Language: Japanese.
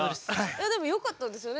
いやでもよかったですよね